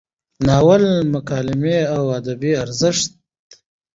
د ناول مکالمې او ادبي ارزښت: